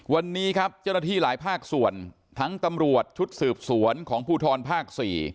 วันนี้ครับเจ้าหน้าที่หลายภาคส่วนทั้งตำรวจชุดสืบสวนของภูทรภาค๔